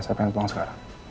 saya pengen pulang sekarang